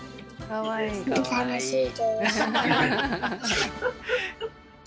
かわいい。